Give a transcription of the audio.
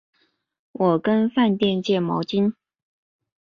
我想跟饭店借毛巾